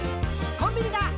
「コンビニだ！